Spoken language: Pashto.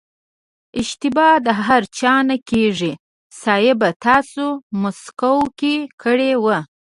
اشتبا د هر چا نه کېږي صيب تاسې مسکو کې کړې وه.